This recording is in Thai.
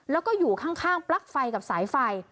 แล้วก็อยู่ข้างปลั๊กไฟกับสายไฟ